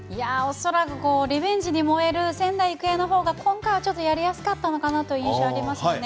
恐らくリベンジに燃える仙台育英のほうが今回はちょっとやりやすかったのかなという印象ありますね。